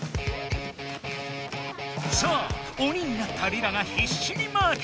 さあ鬼になったリラがひっしにマーク。